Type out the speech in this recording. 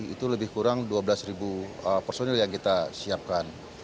itu lebih kurang dua belas personil yang kita siapkan